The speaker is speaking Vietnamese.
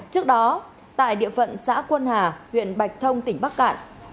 trước đó tại địa phận xã quân hà huyện bạch thông tỉnh bắc cạn